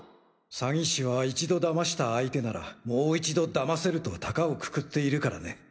詐欺師は一度騙した相手ならもう一度騙せるとタカを括っているからね。